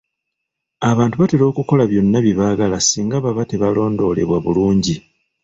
Abantu batera okukola byonna bye baagala singa baba tebalondoolebwa bulungi.